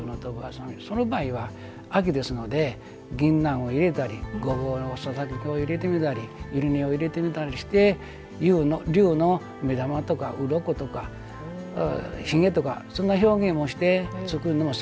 その場合は、秋ですのでぎんなんを入れたりごぼうのささがきを入れてみたりしてゆり根を入れてみたりして龍の目玉とかうろことかひげとかその表現をして作ります。